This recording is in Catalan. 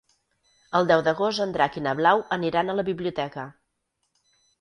El deu d'agost en Drac i na Blau aniran a la biblioteca.